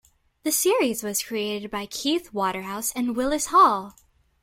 The series was created by Keith Waterhouse and Willis Hall.